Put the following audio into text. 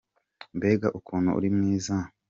Mbega ukuntu uri mwiza!